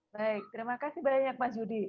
baik terima kasih banyak mas yudi